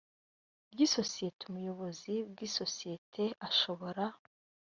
ry isosiyete umuyobozi bw isosiyete ashobora